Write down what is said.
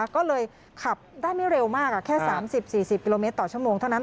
ก็เลยขับได้ไม่เร็วมากแค่๓๐๔๐กิโลเมตรต่อชั่วโมงเท่านั้น